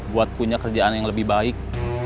buat punya kerjaan yang lebih baik